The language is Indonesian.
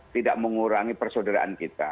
tidak mengurangi persaudaraan kita